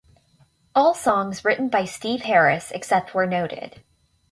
All songs written by Steve Harris except where noted.